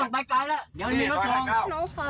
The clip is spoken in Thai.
ไม่ได้ไม่ได้พี่